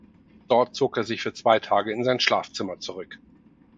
Dort zog er sich für zwei Tage in sein Schlafzimmer zurück.